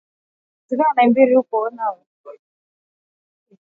kinga ya mwili huongezwa kwa kula viazi lishe